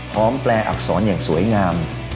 พร้อมแปลอักษรอย่างสวยงาม